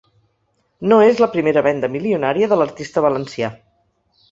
No és la primera venda milionària de l’artista valencià.